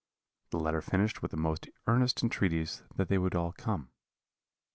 The letter finished with the most earnest entreaties that they would all come.